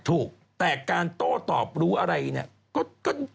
ถูกแต่การโต้ตอบรู้อะไรเนี่ย